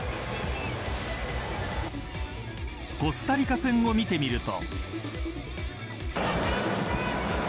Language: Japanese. コスタリカ戦を見てみると。